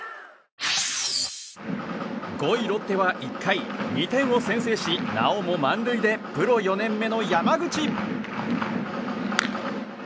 ５位ロッテは１回、２点を先制しなおも満塁でプロ４年目の山口。